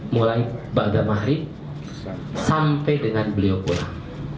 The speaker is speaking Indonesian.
mulai baga mahrib sampai dengan beliau pulang